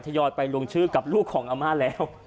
ยอยไปลงชื่อกับลูกของอาม่าแล้ว